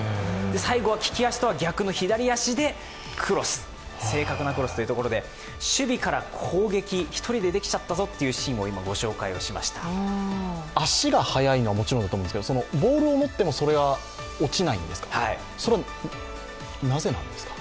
最後は利き足とは逆に左足で正確なクロスというところで守備から攻撃、一人でできちゃったぞというシーンを足が速いのはもちろんだと思うんですけど、ボールを持ってもそれが落ちないんですか、それはなぜなんですか。